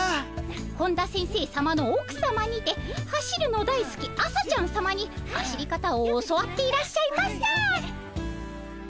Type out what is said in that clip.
本田先生さまの奥さまにて走るのだいすき朝ちゃんさまに走り方を教わっていらっしゃいました。